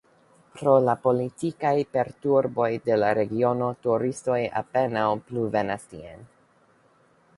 Pro la politikaj perturboj de la regiono turistoj apenaŭ plu venas tien.